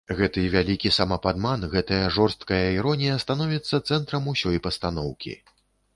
Гэты вялікі самападман, гэтая жорсткая іронія становіцца цэнтрам усёй пастаноўкі.